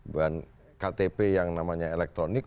bahan ktp yang namanya elektronik